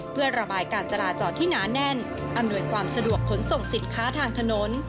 เพื่อระบายการจราจรที่หนาแน่นอำนวยความสะดวกขนส่งสินค้าทางถนน